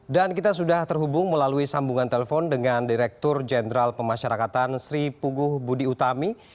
dan kita sudah terhubung melalui sambungan telepon dengan direktur jenderal pemasyarakatan sri puguh budi utami